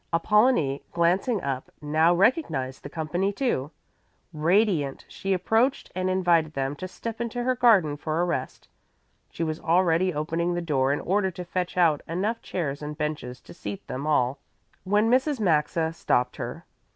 Apollonie, glancing up, now recognized the company, too. Radiant, she approached and invited them to step into her garden for a rest. She was already opening the door in order to fetch out enough chairs and benches to seat them all when Mrs. Maxa stopped her.